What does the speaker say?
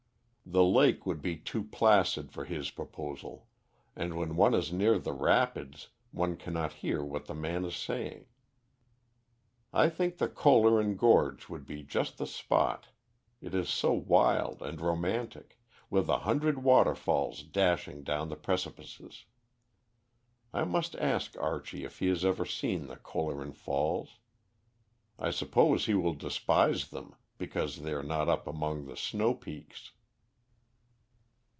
The lake would be too placid for his proposal; and when one is near the rapids, one cannot hear what the man is saying. I think the Kohleren Gorge would be just the spot; it is so wild and romantic, with a hundred waterfalls dashing down the precipices. I must ask Archie if he has ever seen the Kohleren Falls. I suppose he will despise them because they are not up among the snow peaks."